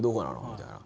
みたいな。